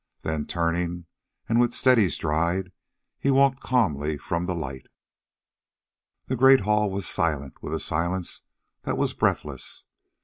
Then, turning, and with steady stride, he walked calmly from the light. The great hall was silent with a silence that was breathless.